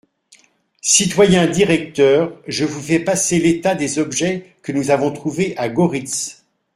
Citoyens directeurs, Je vous fais passer l'état des objets que nous avons trouvés à Goritz.